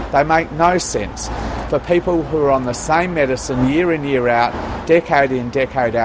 dan itulah mengapa para penyelidikan mengajarkan kita